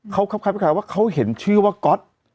เขาเข้าคำถามว่าเขาเห็นชื่อก๊อต